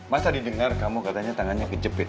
masa didengar kamu katanya tangannya kejepit